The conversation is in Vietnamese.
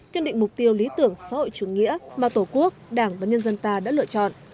kiên định mục tiêu lý tưởng xã hội chủ nghĩa mà tổ quốc đảng và nhân dân ta đã lựa chọn